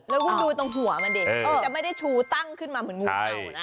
แล้วคุณดูตรงหัวมันดิมันจะไม่ได้ชูตั้งขึ้นมาเหมือนงูเขียวนะ